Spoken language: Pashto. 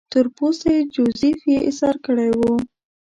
تور پوستی جوزیف یې ایسار کړی وو.